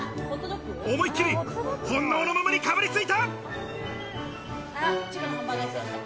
思いっきり、本能のままにかぶりついた。